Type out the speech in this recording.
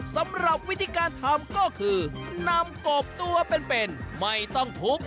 สำหรับวิธีการทำก็คือนำกบตัวเป็นไม่ต้องพุก